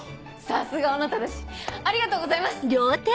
さすが小野忠ありがとうございます！